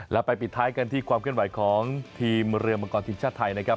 แล้วไปปิดท้ายกันที่ความเคลื่อนไหวของทีมเรือมังกรทีมชาติไทยนะครับ